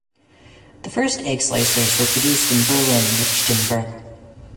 The first egg slicers were produced in Berlin-Lichtenberg.